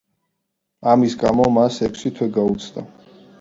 ამის გამო მას ექვსი თვე გაუცდა.